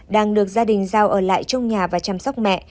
đang được gia đình giao ở lại trong nhà và chăm sóc mẹ